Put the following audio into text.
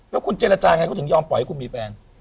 แล้วคุณเจรจาไงเขาถึงยอมปล่อยให้คุณมีแฟน